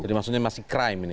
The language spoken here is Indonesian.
jadi maksudnya masih crime ini